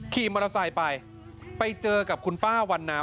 ขี่มอเตอร์ไซค์ไปไปเจอกับคุณป้าวันนา